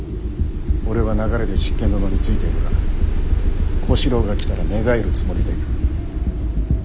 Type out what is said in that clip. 俺は流れで執権殿についているが小四郎が来たら寝返るつもりでいる。